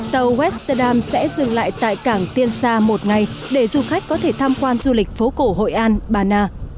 tàu westerdam sẽ dừng lại tại cảng tiên sa một ngày để du khách có thể tham quan du lịch phố cổ hội an bà na